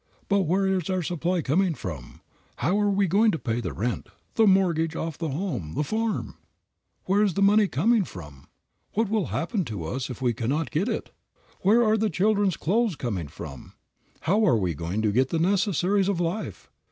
"But where is our supply coming from? How are we going to pay the rent, the mortgage off the home, the farm? Where is the money coming from? What will happen to us if we cannot get it? Where are the children's clothes coming from? How are we going to get the necessaries of life?